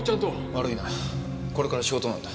悪いなこれから仕事なんだ。